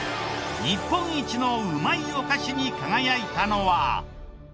日本一のうまいお菓子に輝いたのは。